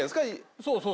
そうそう。